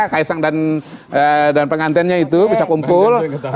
kaisang dan pengantinnya itu bisa kumpul